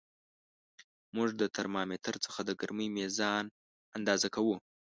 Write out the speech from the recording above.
موږ د ترمامتر څخه د ګرمۍ میزان اندازه کوو.